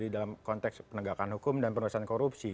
dalam konteks penegakan hukum dan penerusan korupsi